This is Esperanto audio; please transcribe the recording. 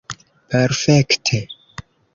Perfekte.